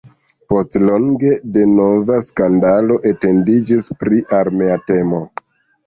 Post nelonge denova skandalo etendiĝis pri armea temo.